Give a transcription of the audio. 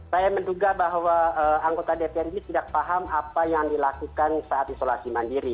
saya menduga bahwa anggota dpr ini tidak paham apa yang dilakukan saat isolasi mandiri